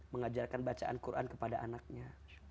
mengajarkan bacaan quran kepada anaknya